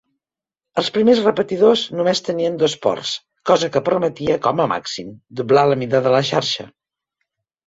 Els primers repetidors només tenien dos ports, cosa que permetia, com a màxim, doblar la mida de la xarxa.